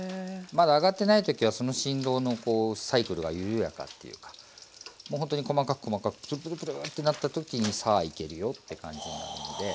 まだ揚がってない時はその振動のこうサイクルが緩やかっていうかもうほんとに細かく細かくちょっとくるくるっとなった時にさあいけるよって感じになるので。